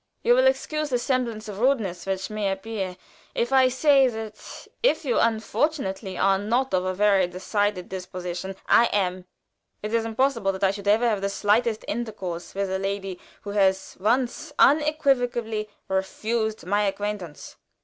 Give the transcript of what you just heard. "You will excuse the semblance of rudeness which may appear if I say that if you unfortunately are not of a very decided disposition, I am. It is impossible that I should ever have the slightest intercourse with a lady who has once unequivocally refused my acquaintance.